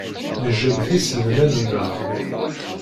Nejjem tisednan-nneɣ.